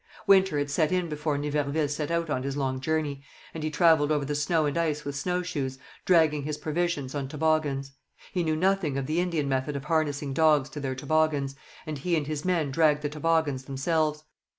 Winter had set in before Niverville set out on his long journey, and he travelled over the snow and ice with snowshoes, dragging his provisions on toboggans. He knew nothing of the Indian method of harnessing dogs to their toboggans, and he and his men dragged the toboggans themselves.